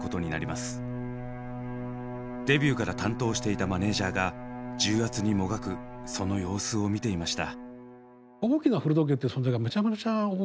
デビューから担当していたマネージャーが重圧にもがくその様子を見ていました。